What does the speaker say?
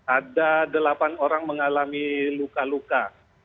ada delapan orang mengalami luka luka